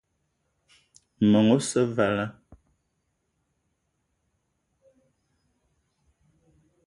Meng osse vala.